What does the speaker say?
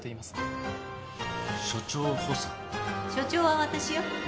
署長は私よ。